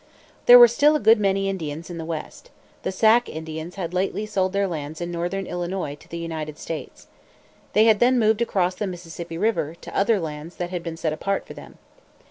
There were still a good many Indians in the West. The Sac Indians had lately sold their lands in northern Illinois to the United States. They had then moved across the Mississippi river, to other lands that had been set apart for them.